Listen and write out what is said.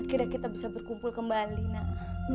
akhirnya kita bisa berkumpul kembali nak